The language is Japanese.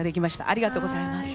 ありがとうございます。